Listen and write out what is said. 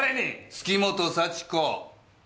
月本幸子！